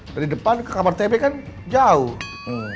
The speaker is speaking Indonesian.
dari depan ke kamar tb kan jauh